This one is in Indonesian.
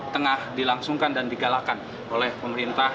tengah dilangsungkan dan digalakan oleh pemerintah